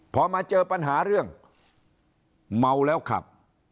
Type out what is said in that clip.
พอมาเจอปัญหาเรื่องเมาแล้วขับ